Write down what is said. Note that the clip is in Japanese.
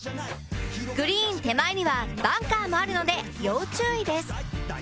グリーン手前にはバンカーもあるので要注意です